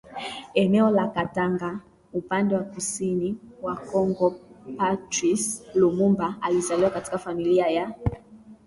eneo la Katanga upande wa kusini wa KongoPatrice Lumumba alizaliwa katika familia ya